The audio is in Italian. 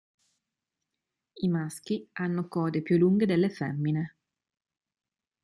I maschi hanno code più lunghe delle femmine.